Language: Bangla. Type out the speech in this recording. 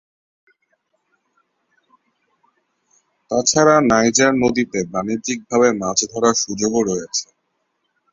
তাছাড়া নাইজার নদীতে বাণিজ্যিকভাবে মাছ ধরার সুযোগও রয়েছে।